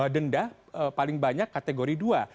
denda paling banyak kategori dua